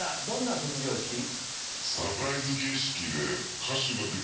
どんな卒業式？